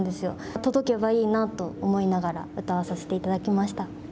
届けばいいなと思いながら歌わさせていただきました。